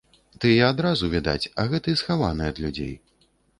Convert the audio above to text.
Тыя адразу відаць, а гэты схаваны ад людзей.